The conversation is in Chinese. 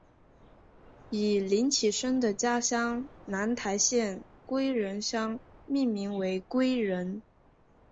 以林启生的家乡台南县归仁乡命名为归仁。